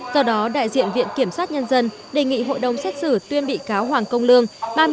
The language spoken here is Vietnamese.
do đó đại diện viện kiểm sát nhân dân đề nghị hội đồng xét xử tuyên bị cáo hoàng công lương